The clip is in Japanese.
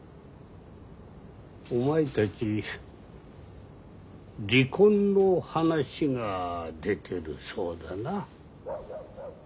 お前たち離婚の話が出てるそうだな。